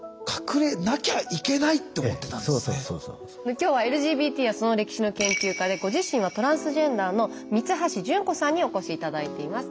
今日はＬＧＢＴやその歴史の研究家でご自身はトランスジェンダーの三橋順子さんにお越し頂いています。